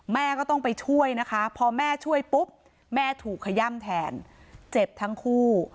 แม่ก็ต้องไปช่วยนะคะพอแม่ช่วยปุ๊บแม่ถูกขย่ำแทนเจ็บทั้งคู่